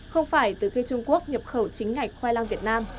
không phải từ khi trung quốc nhập khẩu chính ngạch khoai lang việt nam